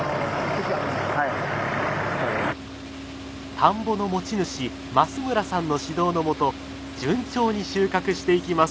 田んぼの持ち主増村さんの指導の下順調に収穫していきます。